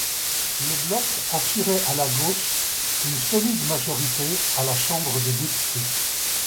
Le bloc assurait à la gauche une solide majorité à la Chambre des députés.